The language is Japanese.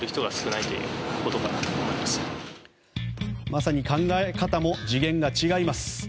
まさに考え方も次元が違います。